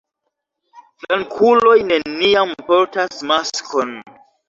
Flankuloj neniam portas maskon.